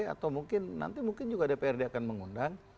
atau mungkin nanti mungkin juga dprd akan mengundang